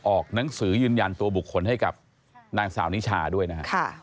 ออกหนังสือยืนยันตัวบุคคลให้กับนางสาวนิชาด้วยนะครับ